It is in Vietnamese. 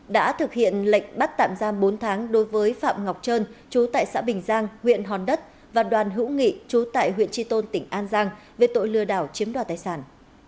đã thực hiện lệnh bắt tạm giam bốn tháng đối với phạm ngọc trơn chú tại xã bình giang huyện hòn đất và đoàn hữu nghị chú tại huyện tri tôn tỉnh an giang về tội lừa đảo chiếm đoạt tài sản